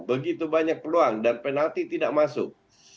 begitu banyak peluang dan penalti tidak masuk